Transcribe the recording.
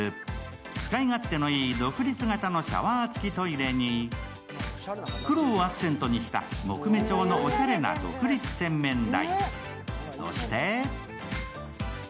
使い勝手のいい独立型のシャワー付きトイレに黒をアクセントにした木目調のおしゃれな独立洗面台。